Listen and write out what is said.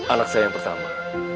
anak saya yang pertama